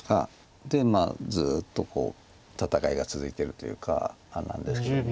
でまあずっと戦いが続いてるというかなんですけども。